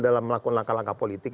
dalam melakukan langkah langkah politik